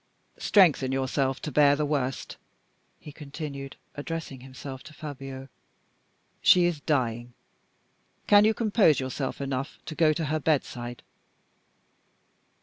"Strengthen yourself to bear the worst," he continued, addressing himself to Fabio. "She is dying. Can you compose yourself enough to go to her bedside?"